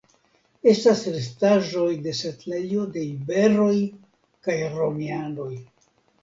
Estis restaĵoj de setlejo de iberoj kaj romianoj.